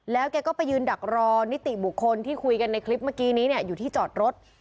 แล้วแกก็ไปยืนดักรอนิติบุคคลที่คุยกันในคลิปเมื่อกี้นี้เนี่ยอยู่ที่จอดรถ